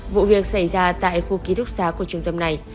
vụ việc xảy ra tại khu ký túc xá của trung tâm này